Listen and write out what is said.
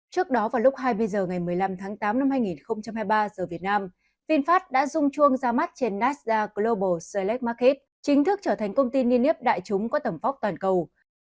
trước đó vào lúc hai mươi h ngày một mươi năm tháng tám năm hai nghìn hai mươi ba giờ việt nam vinfast đã dung chuông ra mắt trên nasdaq global select market chính thức trở thành công ty niên niếp đại chúng có tầm phóc toàn cầu